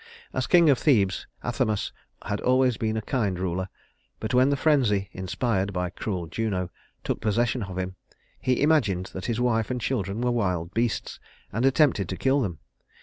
As king of Thebes, Athamas had always been a kind ruler, but when the frenzy, inspired by cruel Juno, took possession of him, he imagined that his wife and children were wild beasts, and attempted to kill them.